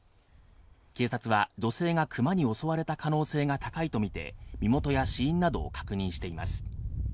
警察は女性がクマに襲われた可能性が高いとみて身元や死因などを確認しています。